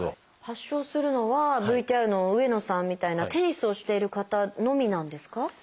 発症するのはＶＴＲの上野さんみたいなテニスをしている方のみなんですか？